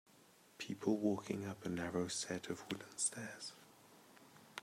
People walking up a narrow set of wooden stairs.